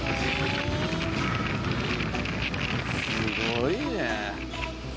すごいね。